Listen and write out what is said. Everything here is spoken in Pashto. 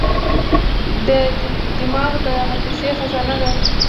دماغ د حافظې خزانه ده.